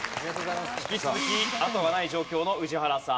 引き続きあとがない状況の宇治原さん。